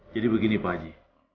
jadi begini pak haji